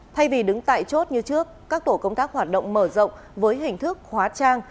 thay vì đứng tại chốt như trước các tổ công tác hoạt động mở rộng với hình thức hóa trang